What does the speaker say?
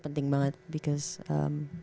penting banget because